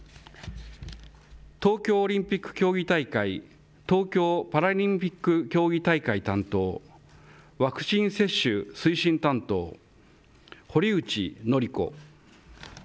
東京オリンピック競技大会・東京パラリンピック競技大会担当、ワクチン接種推進担当、堀内詔子。